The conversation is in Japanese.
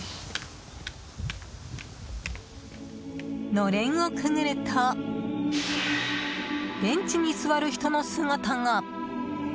のれんをくぐるとベンチに座る人の姿が。